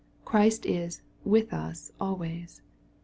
Christ is "with us" always.